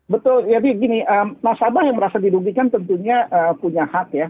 betul jadi gini nasabah yang merasa dirugikan tentunya punya hak ya